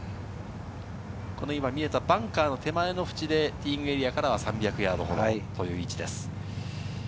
今見えたバンカーの手前の縁でティーイングエリアからは３００ヤードほどという位置です。